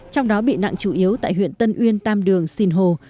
trong đó bị nặng chủ yếu tại huyện tân uyên tam đường sinh hồ